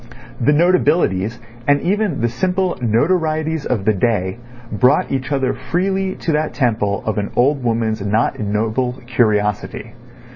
The notabilities and even the simple notorieties of the day brought each other freely to that temple of an old woman's not ignoble curiosity.